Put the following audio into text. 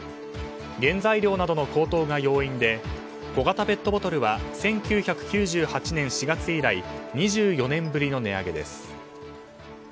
原材料などの高騰が要因で小型ペットボトルは１９９８年４月以来２４年ぶりの値上げです。